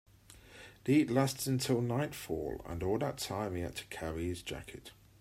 The heat lasted until nightfall, and all that time he had to carry his jacket.